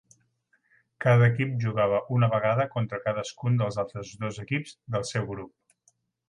Cada equip jugava una vegada contra cadascun dels altres dos equips del seu grup.